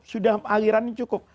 sudah alirannya cukup